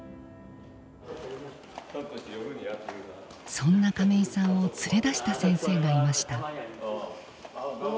そんな亀井さんを連れ出した先生がいました。